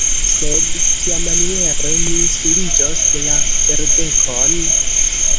Sed kiamaniere mi suriĝos la ferdekon?